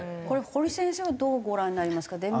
これ堀先生はどうご覧になりますか？